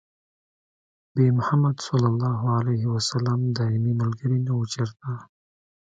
بې محمده ص دايمي ملګري نه وو چېرته